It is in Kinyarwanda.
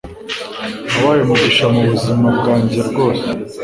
wabaye umugisha mubuzima bwanjye rwose